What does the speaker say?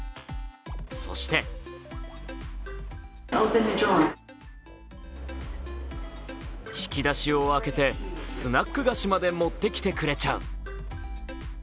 そして引き出しを開けてスナック菓子まで持ってきてくれちゃう。